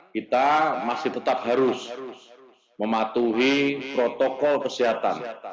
kita masih tetap harus mematuhi protokol kesehatan